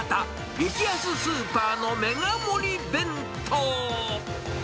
激安スーパーのメガ盛り弁当。